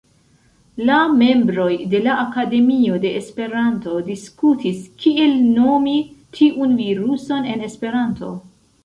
La membroj de la Akademio de Esperanto diskutis, kiel nomi tiun viruson en Esperanto.